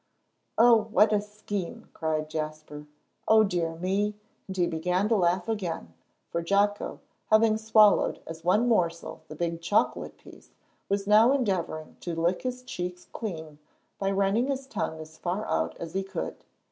"Oh, what a scheme," cried Jasper. "O dear me!" and he began to laugh again, for Jocko, having swallowed as one morsel the big chocolate piece, was now endeavoring to lick his cheeks clean by running his tongue as far out as he could.